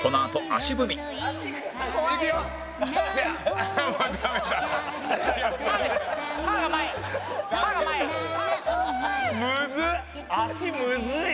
足むずい！